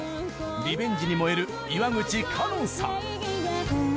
リベンジに燃える岩口和暖さん。